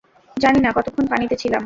জানি না, কতক্ষন পানিতে ছিলাম।